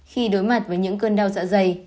khi đối mặt với những cơn đau dạ dày